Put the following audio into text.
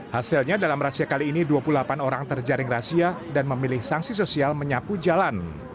hasilnya dalam rahasia kali ini dua puluh delapan orang terjaring rahasia dan memilih sanksi sosial menyapu jalan